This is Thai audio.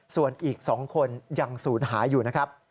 ส่วนอีก๒คนยังศูนย์หายอยู่นะครับ